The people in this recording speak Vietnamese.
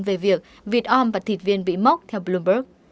về việc vịt om và thịt viên bị mốc theo bloomberg